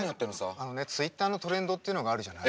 あのねツイッターのトレンドっていうのがあるじゃない。